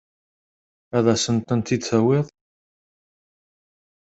Ad asent-tent-id-tawiḍ?